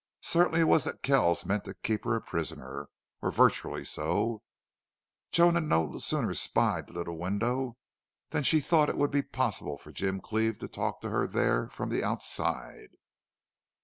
Certain it was that Kells meant to keep her a prisoner, or virtually so. Joan had no sooner spied the little window than she thought that it would be possible for Jim Cleve to talk to her there from the outside.